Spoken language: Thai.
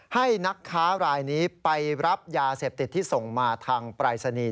ให้นักค้ารายนี้ไปรับยาเสพติดที่ส่งมาทางปรายศนีย์